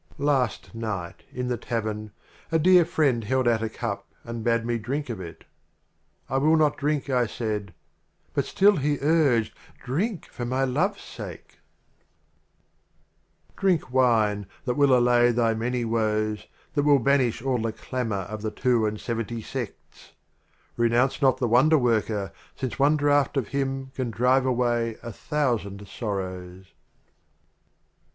LVIII. Last night, in the Tavern, a Dear Friend Held out a Cup and bade me drink of it. " I will not drink/' I said, but still he urged, "Drink, for my Love's Sake!" 6 9 LIZ. The Literal Drink Wine that will allay thy Omar many Woes, That will banish all the Clamor of the Two and Seventy Se&s ! Renounce not the Wonder Worker, since one Draught of him Can drive away a Thousand Sor rows.